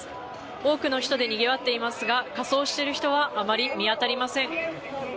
多くの人でにぎわっていますが、仮装している人はあまり見当たりません。